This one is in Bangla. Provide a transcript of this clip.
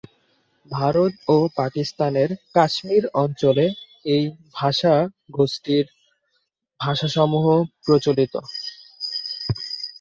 ভারত ও পাকিস্তানের কাশ্মীর অঞ্চলে এই ভাষাগোষ্ঠীর ভাষাসমূহ প্রচলিত।